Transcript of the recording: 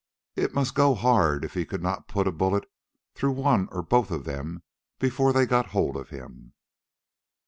It must go hard if he could not put a bullet through one or both of them before they got a hold of him.